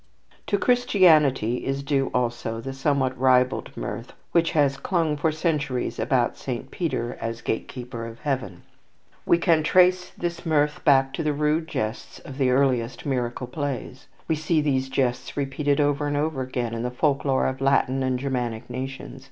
To Christianity is due also the somewhat ribald mirth which has clung for centuries about Saint Peter as gatekeeper of Heaven. We can trace this mirth back to the rude jests of the earliest miracle plays. We see these jests repeated over and over again in the folklore of Latin and Germanic nations.